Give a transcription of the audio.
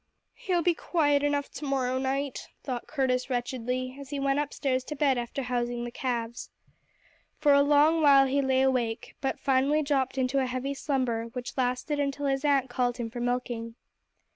He'll be quiet enough tomorrow night, thought Curtis wretchedly, as he went upstairs to bed after housing the calves. For a long while he lay awake, but finally dropped into a heavy slumber which lasted until his aunt called him for milking.